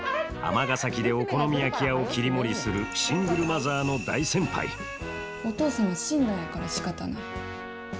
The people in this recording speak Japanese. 尼崎でお好み焼き屋を切り盛りするシングルマザーの大先輩お父さんは死んだんやからしかたない。